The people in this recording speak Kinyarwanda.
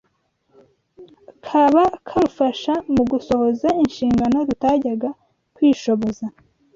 kaba karufasha mu gusohoza inshingano rutajyaga kwishoboza.